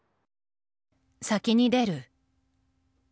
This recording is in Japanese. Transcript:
先に出る。